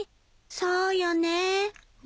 そうよね。